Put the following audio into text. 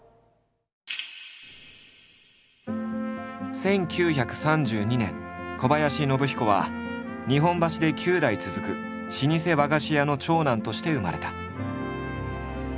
１９３２年小林信彦は日本橋で９代続く老舗和菓子屋の長男として生まれた。